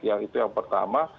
yang itu yang pertama